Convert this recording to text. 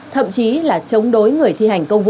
thậm chí là chống đối người thi hành công vụ